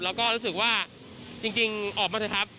แล้วก็รู้สึกว่าจริงออกมาเถอะครับ